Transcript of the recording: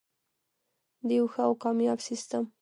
د یو ښه او کامیاب سیستم.